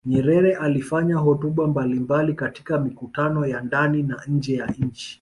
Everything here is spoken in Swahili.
Nyerere alifanya hotuba mbalimbali katika mikutano ya ndani na nje ya nchi